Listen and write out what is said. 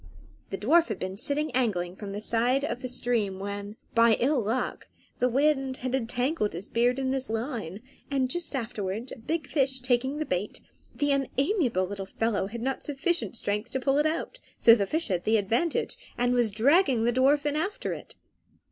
The dwarf had been sitting angling from the side of the stream when, by ill luck, the wind had entangled his beard in his line, and just afterwards a big fish taking the bait, the unamiable little fellow had not sufficient strength to pull it out; so the fish had the advantage, and was dragging the dwarf after it.